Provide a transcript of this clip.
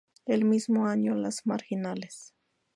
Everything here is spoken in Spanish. El mismo año Las Marginales.